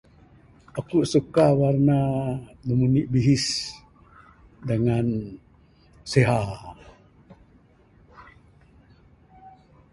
Aku suka warna aaa nombor indi bihis, dengan siha.